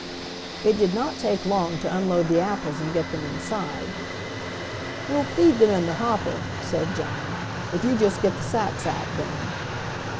It did not take long to unload the apples and get them inside. "We'll feed them in the hopper," said John, "if you just get the sacks out, Ben."